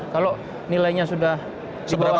kalau nilainya sudah di bawah sepuluh persen